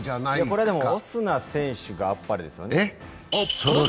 これはオスナ選手があっぱれですね。